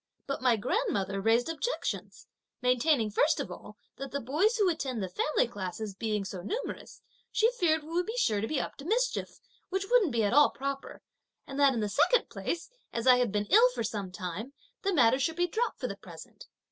But my grandmother raised objections; maintaining first of all, that the boys who attend the family classes being so numerous, she feared we would be sure to be up to mischief, which wouldn't be at all proper; and that, in the second place, as I had been ill for some time, the matter should be dropped, for the present.